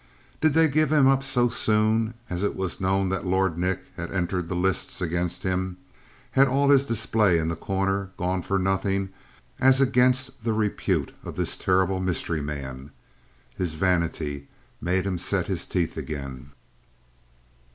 Did they give him up so soon as it was known that Lord Nick had entered the lists against him? Had all his display in The Corner gone for nothing as against the repute of this terrible mystery man? His vanity made him set his teeth again.